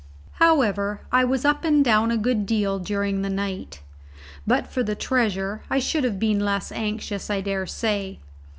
However, I was up and down a good deal during the night. But for the treasure I should have been less anxious, I dare say.